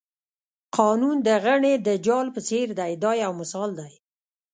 قانون د غڼې د جال په څېر دی دا یو مثال دی.